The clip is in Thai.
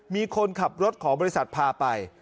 มีคนขับรถของบริษัทพาไป